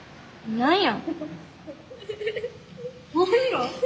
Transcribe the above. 何や？